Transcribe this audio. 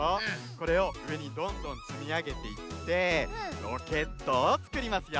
これをうえにどんどんつみあげていってロケットをつくりますよ。